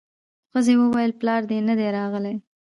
ښځې وويل پلار دې نه دی راغلی.